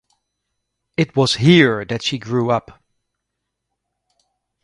It was here that she grew up.